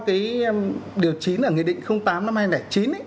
cái điều chín ở nghị định tám năm nghìn hai trăm linh chín